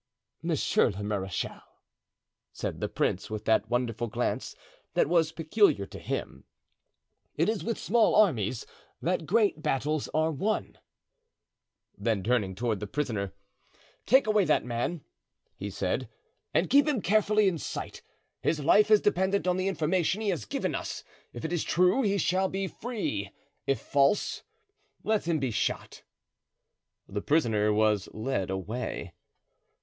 "Monsieur le marechal," said the prince, with that wonderful glance that was peculiar to him, "it is with small armies that great battles are won." Then turning toward the prisoner, "Take away that man," he said, "and keep him carefully in sight. His life is dependent on the information he has given us; if it is true, he shall be free; if false, let him be shot." The prisoner was led away.